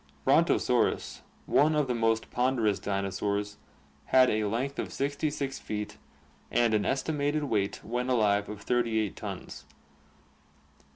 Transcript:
Brontosaurus, one of the most ponderous dinosaurs, had a length of 66 feet and an estimated weight when alive of 38 tons.